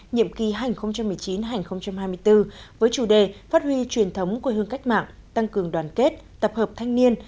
nhiệm kỳ hai nghìn một mươi chín hai nghìn hai mươi bốn với chủ đề phát huy truyền thống quê hương cách mạng tăng cường đoàn kết tập hợp thanh niên